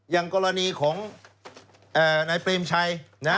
อย่างกรณีของนายเปรมชัยนะ